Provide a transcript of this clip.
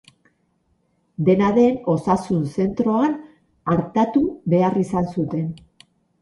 Dena den, osasun zentroan artatu behar izan zuten.